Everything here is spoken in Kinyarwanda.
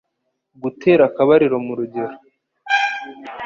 Gutera akabariro mu rugero